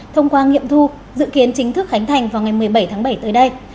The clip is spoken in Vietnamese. thông qua nghiệm thu dự kiến chính thức khánh thành vào ngày một mươi bảy tháng bảy tới đây